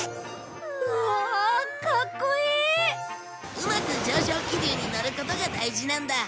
うまく上昇気流にのることが大事なんだ。